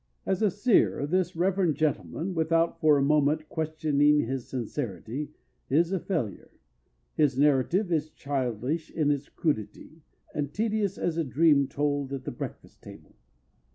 As a Seer this reverend gentleman, without for a moment questioning his sincerity, is a failure; his narrative, is childish in its crudity and tedious as a dream told at the breakfast table.